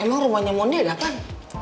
emang rumahnya mondi ada kan